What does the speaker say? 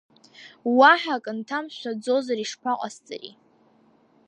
Уаҳа ак нҭамшәаӡозар ишԥаҟасҵари.